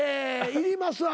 いりますは。